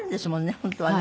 本当はね。